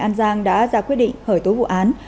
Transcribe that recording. an giang đã ra quyết định khởi tố vụ án